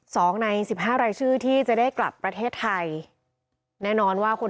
สองในสิบห้ารายชื่อที่จะได้กลับประเทศไทยแน่นอนว่าคน